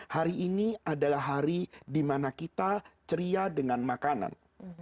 hari ini adalah hari dimana kita ceria dengan makanan